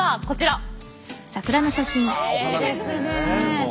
こちら。